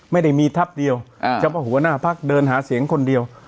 ไม่ได้มีทัพเดียวเฉพาะหัวหน้าพักเดินหาเสียงคนเดียว